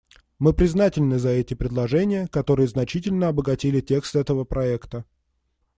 Мы признательны за эти предложения, которые значительно обогатили текст этого проекта.